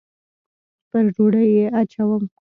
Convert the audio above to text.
پر ډوډۍ یې اچوم